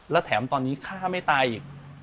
และแถมตอนนี้ฆ่าไม่ตายอีก